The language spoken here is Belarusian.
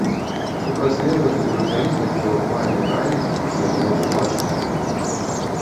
Супрацьлегласцю рэчаіснасці ў актуальнай рэальнасці з'яўляецца бачнасць.